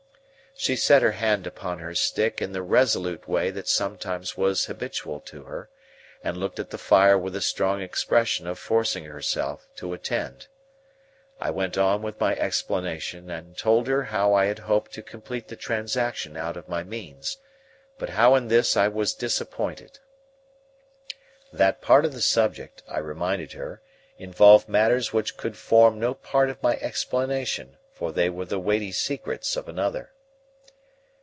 She set her hand upon her stick in the resolute way that sometimes was habitual to her, and looked at the fire with a strong expression of forcing herself to attend. I went on with my explanation, and told her how I had hoped to complete the transaction out of my means, but how in this I was disappointed. That part of the subject (I reminded her) involved matters which could form no part of my explanation, for they were the weighty secrets of another.